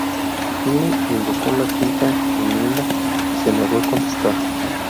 Finley invocó la Quinta Enmienda y se negó a contestar.